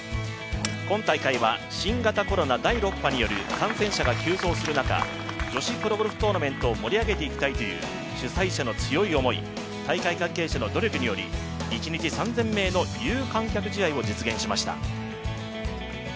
今大会は新型コロナ第６波による感染者が急増する中女子プロゴルフトーナメントを盛り上げていきたいという主催者の強い思い大会関係者の努力により１日３０００名の有観客試合を実現しました。